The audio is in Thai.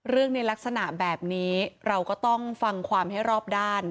ในลักษณะแบบนี้เราก็ต้องฟังความให้รอบด้าน